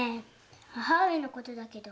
母上のことだけど。